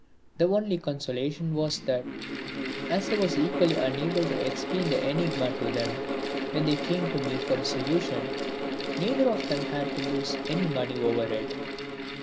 My only consolation was that, as I was equally unable to explain the enigma to them when they came to me for a solution, neither of them had to lose any money over it.